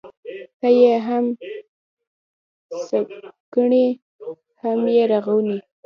ته يې هم سکڼې ، هم يې رغوې.